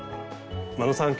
眞野さん